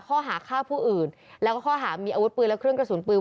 ข้อหาฆ่าผู้อื่นแล้วก็ข้อหามีอาวุธปืนและเครื่องกระสุนปืน